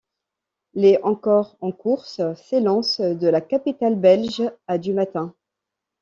Les encore en course s'élancent de la capitale belge à du matin.